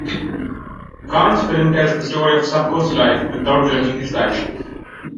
Kahn's film tells the story of Succo's life without judging his actions.